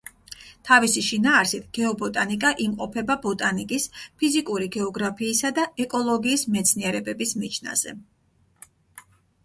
თავისი შინაარსით გეობოტანიკა იმყოფება ბოტანიკის, ფიზიკური გეოგრაფიისა და ეკოლოგიის მეცნიერებების მიჯნაზე.